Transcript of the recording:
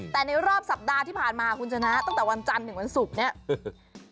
แต่ในรอบสัปดาห์ที่ผ่านมาคุณชนะตั้งแต่วันจันทร์ถึงวันศุกร์เนี่ย